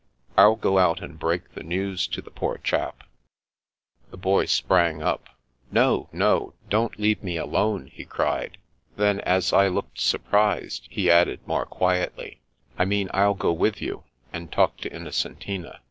" I'll go out and break the news to the poor chap." The Boy sprang up. "No, no; don't leave me 298 The Princess Passes alone I '' he cried. Then, as I looked surprised, he added, more quietly :" I mean I'll go with you, and talk to Innocentina.